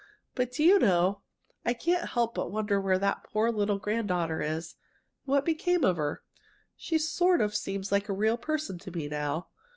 But, do you know, I can't help but wonder where that poor little granddaughter is, and what became of her. She sort of seems like a real person to me now."